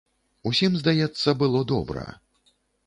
Усім, здаецца, было добра.